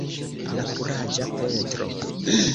La kuraĝa Petro.